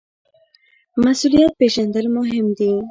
مسوولیت پیژندل مهم دي